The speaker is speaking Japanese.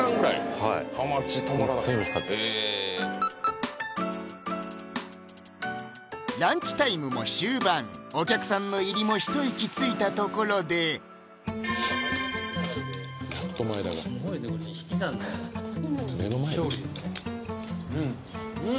はいホントにランチタイムも終盤お客さんの入りもひと息ついたところでうんうん！